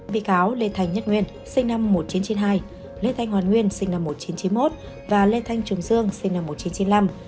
bị cáo lê thành nhất nguyên sinh năm một nghìn chín trăm chín mươi hai lê thanh hoàn nguyên sinh năm một nghìn chín trăm chín mươi một và lê thanh trùng dương sinh năm một nghìn chín trăm chín mươi năm